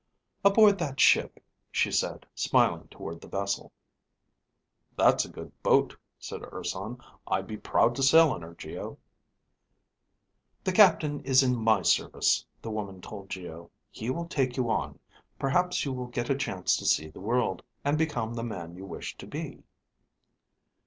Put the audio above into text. "Aboard that ship," she said, smiling toward the vessel. "That's a good boat," said Urson. "I'd be proud to sail on her, Geo." "The captain is in my service," the woman told Geo. "He will take you on. Perhaps you will get a chance to see the world, and become the man you wish to be."